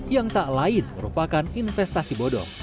yang tak lain merupakan investasi bodoh